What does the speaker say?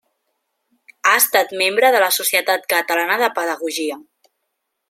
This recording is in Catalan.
Ha estat membre de la Societat Catalana de Pedagogia.